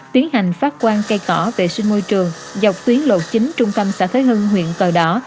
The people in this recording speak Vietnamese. tiến hành phát quang cây cỏ vệ sinh môi trường dọc tuyến lộ chính trung tâm xã thới hương huyện cờ đỏ